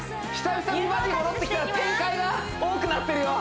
久々美バディ戻ってきたら展開が多くなってるよ！